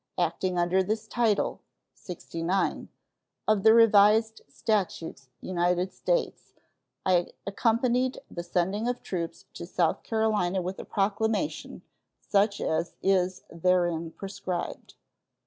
Acting under this title (69) of the Revised Statutes United States, I accompanied the sending of troops to South Carolina with a proclamation such as is therein prescribed.